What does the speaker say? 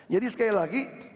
jadi sekali lagi